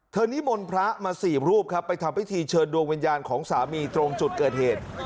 นิมนต์พระมาสี่รูปครับไปทำพิธีเชิญดวงวิญญาณของสามีตรงจุดเกิดเหตุ